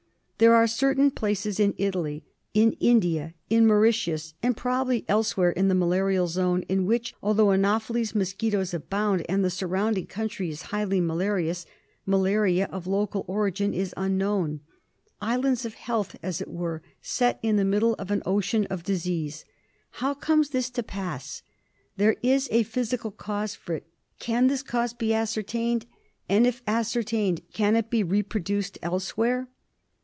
There are certain places in Italy, in India, in Mauritius and probably elsewhere in the malarial zone, in which, although anopheles mosquitoes abound and the surrounding country is highly malarious, malaria of local origin is unknown ; islands of health, as it were, set in the middle of an ocean of disease. How comes this to pass ? There is a physical cause for it. Can this cause be ascertained ? And if ascertained, can it be reproduced elsewhere?